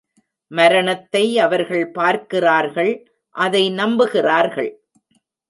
மரணத்தை அவர்கள் பார்க்கிறார்கள் அதை நம்புகிறார்கள்.